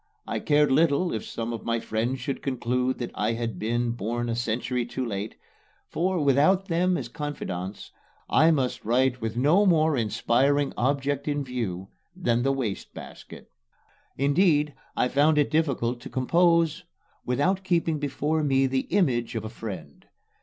I cared little if some of my friends should conclude that I had been born a century too late; for, without them as confidants, I must write with no more inspiring object in view than the wastebasket. Indeed, I found it difficult to compose without keeping before me the image of a friend.